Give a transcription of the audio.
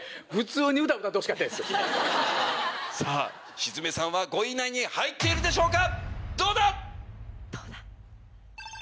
さぁ鎮目さんは５位以内に入っているでしょうか？